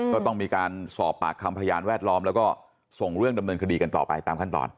ก็ต้องมีการสอบปากคำพยานแวดล้อมแล้วก็ส่งเรื่องดำเนินคดีกันต่อไปตามขั้นตอน